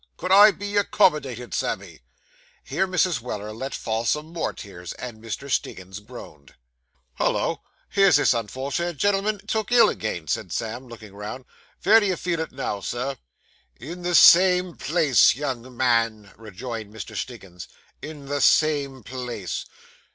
Could I be accommodated, Sammy?' Here Mrs. Weller let fall some more tears, and Mr. Stiggins groaned. 'Hollo! Here's this unfortunate gen'l'm'n took ill agin,' said Sam, looking round. 'Vere do you feel it now, sir?' 'In the same place, young man,' rejoined Mr. Stiggins, 'in the same place.